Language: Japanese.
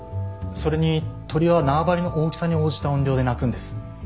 それに鳥は縄張りの大きさに応じた音量で鳴くんです。